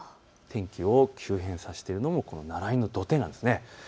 天気を急変させているのもこのナライの土手なんです。